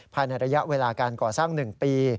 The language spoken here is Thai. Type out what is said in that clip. ภายในระยะเวลาการก่อสร้าง๑ปี